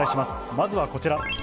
まずはこちら。